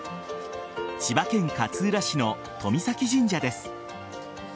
千葉県勝浦市の遠見岬神社です。